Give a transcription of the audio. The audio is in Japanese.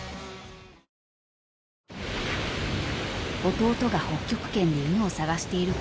［弟が北極圏で犬を探しているころ